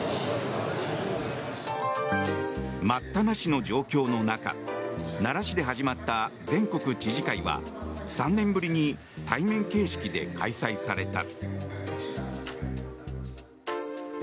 待ったなしの状況の中奈良市で始まった全国知事会は３年ぶりに対面形式で開催された。